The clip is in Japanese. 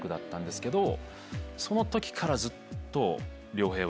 そのときからずっと。